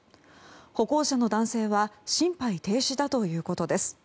歩行者の男性は心肺停止だということです。